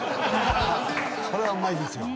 これはうまいですよ